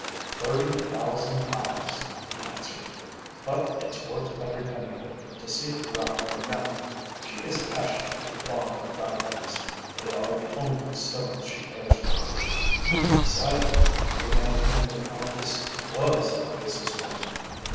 "Thirty thousand pounds," he answered. "But it's worth every penny of it to see it round her neck. She is passionately fond of diamonds. They are the only stones she cares for." Decidedly I began to think the Countess was a business woman.